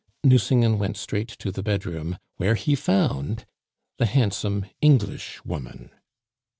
Nucingen went straight to the bedroom, where he found the handsome Englishwoman.